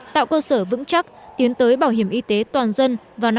tạo cơ sở vững chắc tiến tới bảo hiểm y tế toàn dân vào năm hai nghìn hai mươi